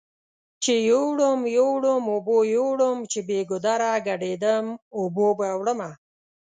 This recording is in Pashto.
چې يوړم يوړم اوبو يوړم چې بې ګودره ګډ يدم اوبو به وړمه